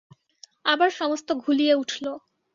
আবার সমস্ত ঘুলিয়ে উঠল।